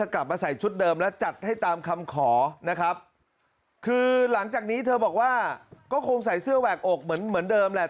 คือหลังจากนี้เธอบอกว่าก็คงใส่เสื้อแหวกอกเหมือนเดิมแหละ